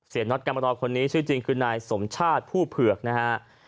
น็อตกรรมรอคนนี้ชื่อจริงคือนายสมชาติผู้เผือกนะฮะ